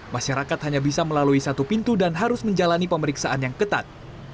masyarakat hanya bisa melalui satu pintu dan harus menjalani pemeriksaan yang ketat